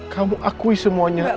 kamu akui semuanya